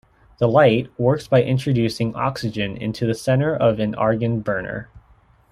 The light works by introducing oxygen into the centre of an Argand burner.